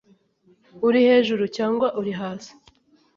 uri hejuru cyangwa uri hasi